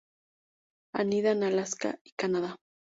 Anida en Alaska y Canadá.